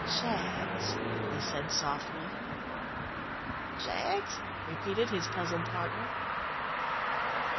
"Jaggs!" he said softly. "Jaggs?" repeated his puzzled partner.